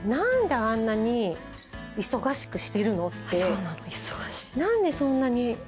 そうなの忙しい。